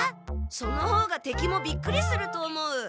その方がてきもびっくりすると思う。